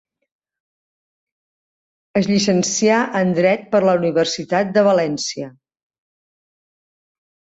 Es llicencià en dret per la Universitat de València.